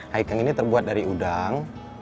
haikeng ini terbuat dari udang